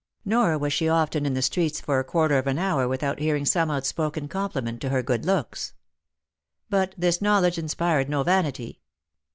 Nor was she often in the streets for a quarter of an hour with out hearing some outspoken compliment to her good looks. But this knowledge inspired no vanity.